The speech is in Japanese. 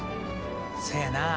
せやな。